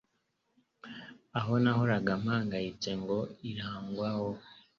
aho nahoraga mpangayitse ngo irangwaho